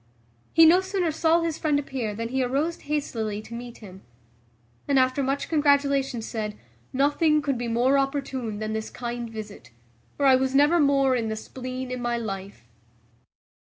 He no sooner saw his friend appear than he arose hastily to meet him; and after much congratulation said, "Nothing could be more opportune than this kind visit; for I was never more in the spleen in my life."